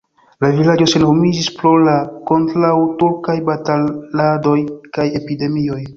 La vilaĝo senhomiĝis pro la kontraŭturkaj bataladoj kaj epidemioj.